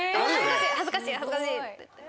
恥ずかしい恥ずかしいって言って。